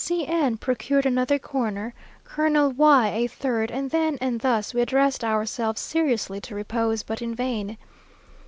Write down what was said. C n procured another corner Colonel Y a third, and then and thus, we addressed ourselves seriously to repose, but in vain.